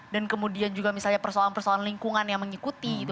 dan kemudian juga misalnya persoalan persoalan lingkungan yang mengikuti gitu